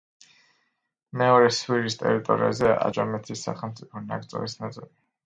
მეორე სვირის ტერიტორიაზეა აჯამეთის სახელმწიფო ნაკრძალის ნაწილი.